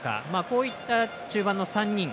こういった中盤の３人。